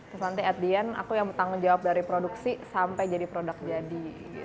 terus nanti at the end aku yang bertanggung jawab dari produksi sampai jadi produk jadi